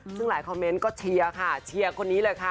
ซึ่งหลายคอมเมนต์ก็เชียร์ค่ะเชียร์คนนี้เลยค่ะ